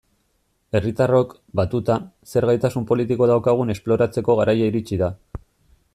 Herritarrok, batuta, zer gaitasun politiko daukagun esploratzeko garaia iritsi da.